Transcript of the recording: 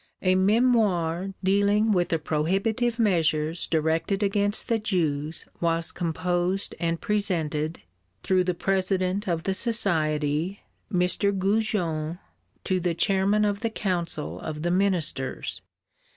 A memoir dealing with the prohibitive measures directed against the Jews was composed and presented, through the president of the Society, Mr. Goujon, to the chairman of the Council of the Ministers.